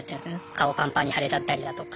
顔ぱんぱんに腫れちゃったりだとか